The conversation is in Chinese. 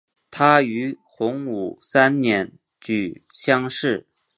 他于洪武三年举乡试。